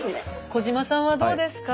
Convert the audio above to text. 児嶋さんはどうですか？